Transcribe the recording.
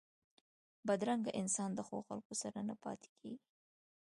بدرنګه انسان د ښو خلکو سره نه پاتېږي